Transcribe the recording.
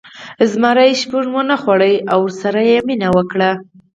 زمري شپون ونه خوړ او ورسره مینه یې وکړه.